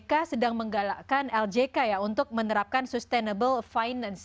bahkan ini seperti yang saya baca ojk sedang menggalakkan ljk ya untuk menerapkan sustainable finance